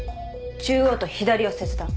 中央と左を切断。